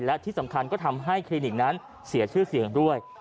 และที่สำคัญก็ทำให้คลินิกนั้นเสียชื่อเสียงด้วย